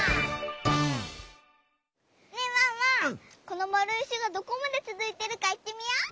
このまるいいしがどこまでつづいてるかいってみよう！